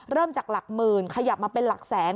เริ่มจากหลักหมื่นขยับมาเป็นหลักแสน